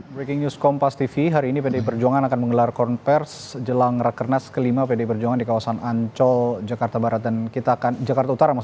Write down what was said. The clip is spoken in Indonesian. breaking news kompas tv hari ini pdi perjuangan akan menggelar konferensi jelang rekenas kelima pdi perjuangan di kawasan ancol jakarta utara